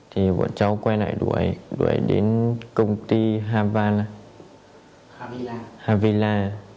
thì bọn cháu quay lại đuổi đuổi đến công ty havila